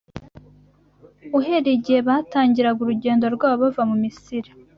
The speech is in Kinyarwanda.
Uhereye igihe batangiraga urugendo rwabo bava mu Misiri